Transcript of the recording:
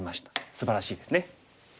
すばらしいですね。